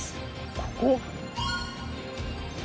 ここ？